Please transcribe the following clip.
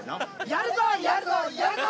やるぞやるぞやるぞ！